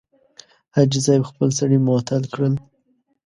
حاجي صاحب خپل سړي معطل کړل.